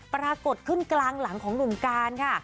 ปรากฏขึ้นกลางหลังของหนุ่มการค่ะ